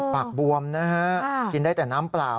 ปากบวมนะครับกินได้แต่น้ำเปล่า